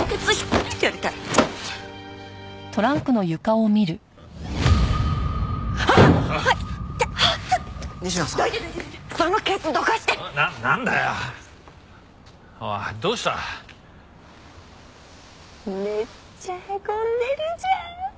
めっちゃへこんでるじゃん！